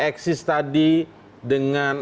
eksis tadi dengan